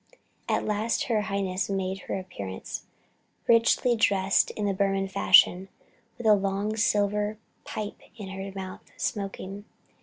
At last her Highness made her appearance, richly dressed in the Burman fashion, with a long silver pipe in her mouth, smoking.